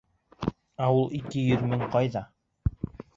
Ә ул ике йөҙ мең ҡайҙа?